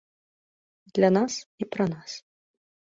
Для нас і пра нас.